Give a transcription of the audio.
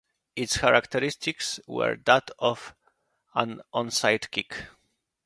Its characteristics were that of an onside kick.